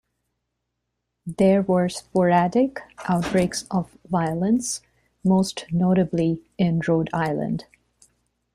There were sporadic outbreaks of violence, most notably in Rhode Island.